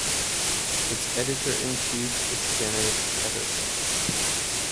Its editor-in-chief is Kenny Paterson.